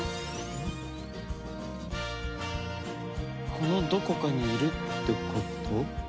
このどこかにいるってこと？